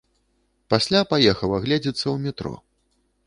Пасля паехаў агледзецца ў метро.